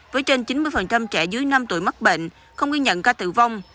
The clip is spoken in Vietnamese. với trên chín mươi trẻ dưới năm tuổi mắc bệnh không ghi nhận ca tử vong